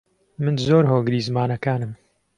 من زۆر هۆگری زمانەکانم.